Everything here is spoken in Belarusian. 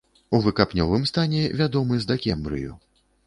У выкапнёвым стане вядомы з дакембрыю.